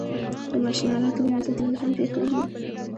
د ماشین آلاتو له منځه تلل هم پېښېږي